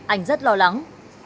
anh rất lo lắng